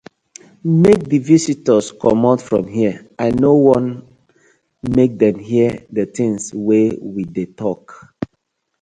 Mak di visitors comot from here I no wan mek dem hear di tinz wey we dey tok.